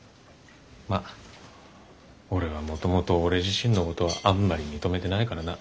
まっ俺はもともと俺自身のことはあんまり認めてないからな。